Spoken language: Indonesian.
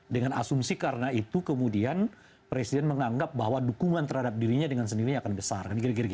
dengan asumsi karena itu kemudian presiden menganggap bahwa dukungan terhadap dirinya dengan sendirinya akan besar